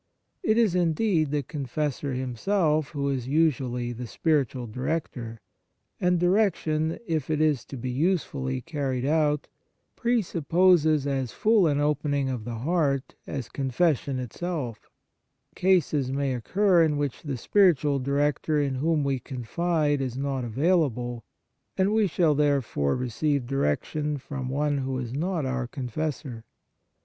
It is, indeed, the confessor himself who is usually the spiritual director ; and direction, if it is to be usefully carried out, presupposes as full an opening of the heart as confession itself. Cases may occur in which the spiritual director in whom we confide is not available, and we shall there 102 The Sacrament of Penance fore receive direction from one who is not our confessor.